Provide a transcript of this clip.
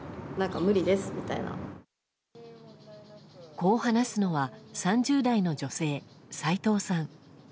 こう話すのは、３０代の女性斉藤さん。